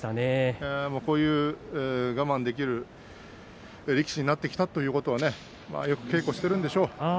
こういう相撲、我慢できる相撲そういう力士になってきたということですねよく稽古してきたんでしょう。